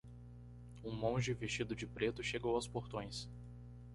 Um monge vestido de preto chegou aos portões.